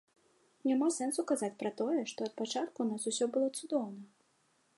Няма сэнсу казаць пра тое, што ад пачатку ў нас усё было цудоўна.